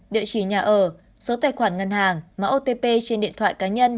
địa chỉ nhà ở số tài khoản ngân hàng mà otp trên điện thoại cá nhân